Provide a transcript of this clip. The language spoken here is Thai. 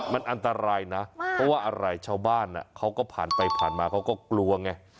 มันอันตรายนะเพราะว่าอะไรชาวบ้านเขาก็ผ่านไปผ่านมาเขาก็กลัวไง